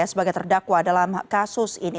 sebagai terdakwa dalam kasus ini